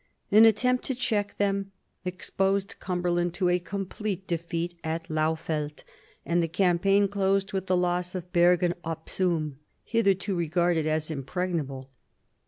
An attempt to check them exposed Cumberland to a complete defeat at Laufeldt, and the campaign closed with the loss of Bergen op Zoom, hitherto regarded as impregnable.